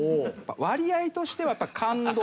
割合としては感動。